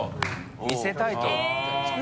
見せたいと思った。